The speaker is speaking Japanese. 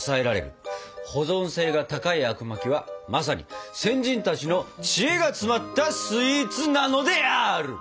保存性が高いあくまきはまさに先人たちの知恵が詰まったスイーツなのである！